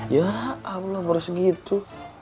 ya allah baru segitu